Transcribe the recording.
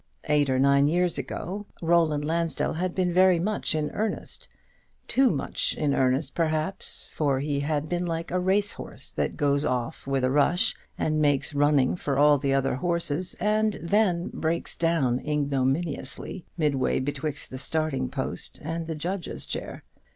Eight or nine years ago Roland Lansdell had been very much in earnest, too much in earnest, perhaps, for he had been like a racehorse that goes off with a rush and makes running for all the other horses, and then breaks down ignominiously midway betwixt the starting post and the judge's chair.